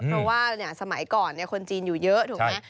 เพราะว่าสมัยก่อนคนจีนอยู่เยอะถูกไหม